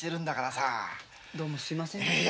どうもすいませんでした。